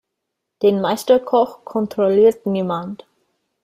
Den Meisterkoch kontrolliert niemand.